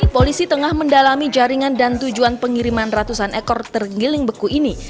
polisi tengah mendalami jaringan dan tujuan pengiriman ratusan ekor tergiling beku ini